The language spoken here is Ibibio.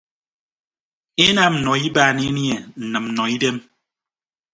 Enam nọ ibaan enie nnịmnnọidem.